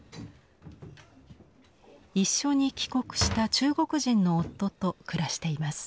一緒に帰国した中国人の夫と暮らしています。